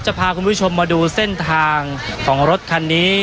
พาคุณผู้ชมมาดูเส้นทางของรถคันนี้